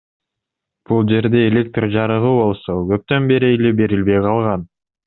Бул жерде электр жарыгы болсо көптөн бери эле берилбей калган.